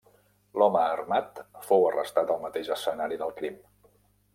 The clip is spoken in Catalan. L'home armat fou arrestat al mateix escenari del crim.